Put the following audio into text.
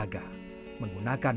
menggunakan media kulit yang diunggah